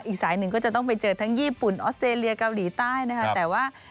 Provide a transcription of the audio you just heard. อีกสายหนึ่งจะต้องไปเจอทั้งญี่ปุ่นออสเตรเลียเกาหลีใต้